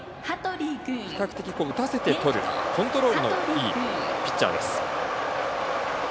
比較的打たせてとるコントロールのいいピッチャーです。